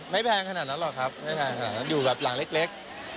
ไม่แพงขนาดนั้นหรอกครับอยู่แบบหลังเล็ก